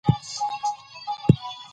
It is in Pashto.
که ته نن وخت لرې، موږ به یو فلم وګورو.